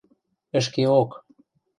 – Ӹшкеок...